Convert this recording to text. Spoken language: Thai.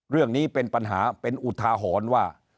เรื่องนี้เป็นปัญหาเป็นอุทาหรณ์ว่า